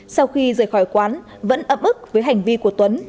sau khi rời khỏi quán vẫn âm ức với hành vi của tuấn